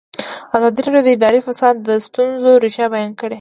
ازادي راډیو د اداري فساد د ستونزو رېښه بیان کړې.